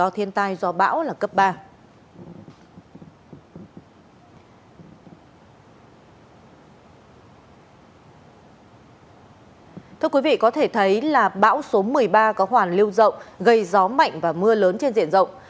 thưa quý vị có thể thấy là bão số một mươi ba có hoàn lưu rộng gây gió mạnh và mưa lớn trên diện rộng